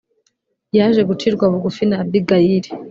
yaje gucirwa bugufi na Abigayili